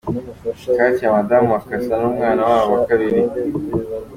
Katia Madamu wa Cassa numwana wabo wa kabiri.